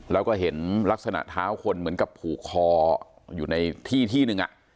แล้วก็เห็นลักษณะเท้าคนเหมือนกับผูกคออยู่ในที่ที่หนึ่ง